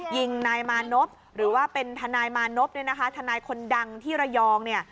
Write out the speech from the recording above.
ยิงนายมานพหรือว่าเป็นทนายมานพทนายคนดังที่ระยอง